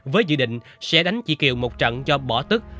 với dự định sẽ đánh chị kiều một trận do bỏ tức